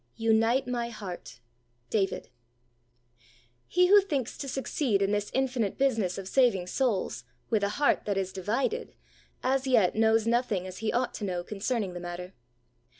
Unite my heart. — David. He who thinks to succeed in this infinite business of saving souls with a heart that is divided as yet knows nothing as he ought to know concerning the matter.